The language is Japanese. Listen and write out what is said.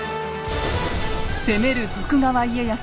攻める徳川家康